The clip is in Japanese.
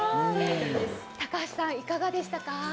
高橋さん、いかがでしたか？